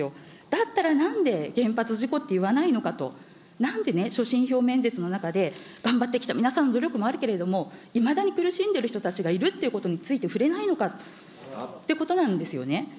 だったらなんで、原発事故って言わないのかと、なんでね、所信表明演説の中で、頑張ってきた皆さんの努力もあるけれども、いまだに苦しんでる人たちがいるということについて触れないのかってことなんですよね。